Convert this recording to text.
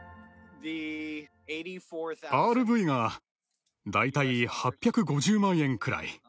ＲＶが大体８５０万円くらい。